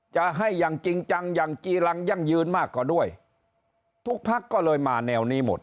จะให้อย่างจริงจังอย่างจีรังยั่งยืนมากกว่าด้วยทุกพักก็เลยมาแนวนี้หมด